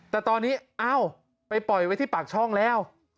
แต่ตอนนี้เอ้าไปปล่อยไว้ที่ปากช่องแล้ว